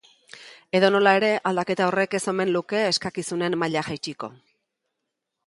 Edonola ere, aldaketa horrek ez omen luke eskakizunen maila jaitsiko.